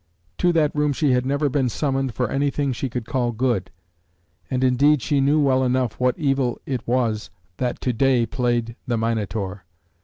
To that room she had never been summoned for anything she could call good. And indeed she knew well enough what evil it was that to day played the Minotaur.